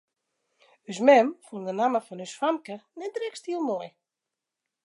Us mem fûn de namme fan ús famke net drekst hiel moai.